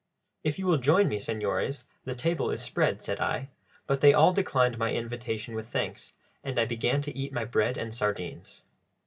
"If you will join me, señores, the table is spread," said I; but they all declined my invitation with thanks, and I began to eat my bread and sardines.